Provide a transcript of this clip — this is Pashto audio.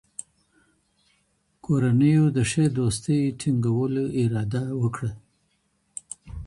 کورنيو د ښې دوستۍ ټينګولو اراده وکړه.